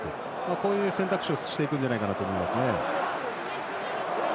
こういう選択肢をしていくんじゃないかと思いますね。